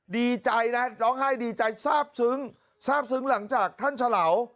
ดีใจนะร้องไห้ดีใจทราบซึ้งทราบซึ้งหลังจากท่านเฉลา